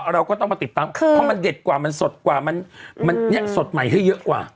เราก็ต้องมาติดตามเพราะมันเด็ดกว่ามันสดกว่ามันเนี่ยสดใหม่ให้เยอะกว่า